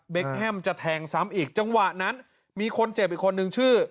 แฮมจะแทงซ้ำอีกจังหวะนั้นมีคนเจ็บอีกคนนึงชื่อ